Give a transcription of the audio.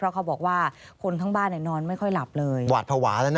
เข้าบอกว่าคนข้างบ้านเนี่ยนอนไม่ค่อยหลับเลยหวาดประหวาแล้วนะ